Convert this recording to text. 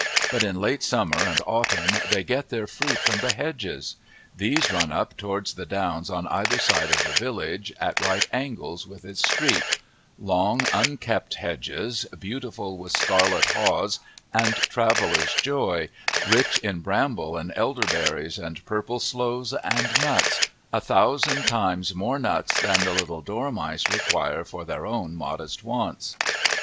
But in late summer and autumn they get their fruit from the hedges. These run up towards the downs on either side of the village, at right angles with its street; long, unkept hedges, beautiful with scarlet haws and traveller's joy, rich in bramble and elder berries and purple sloes and nuts a thousand times more nuts than the little dormice require for their own modest wants.